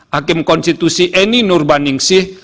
hakim konstitusi eni nurbaningsih